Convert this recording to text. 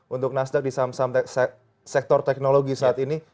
untuk nasdaq di sektor teknologi saat ini